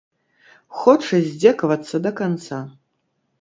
Хоча здзекавацца да канца.